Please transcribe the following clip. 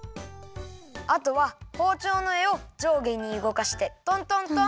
あとはほうちょうのえをじょうげにうごかしてトントントン。